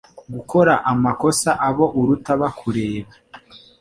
Gukora amakosa abo uruta bakureba,